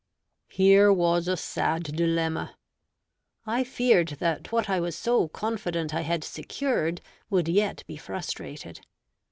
Here was a sad dilemma. I feared that what I was so confident I had secured, would yet be frustrated.